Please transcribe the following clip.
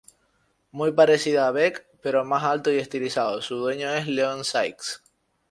Muy parecido a Beck pero más alto y estilizado, su dueño es Leon Sykes.